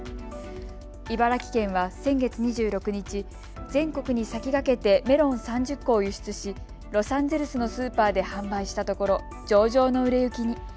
茨城県は先月２６日、全国に先駆けてメロンを３０個を輸出しロサンゼルスのスーパーで販売したところ上々の売れ行きに。